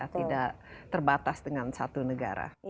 tidak terbatas dengan satu negara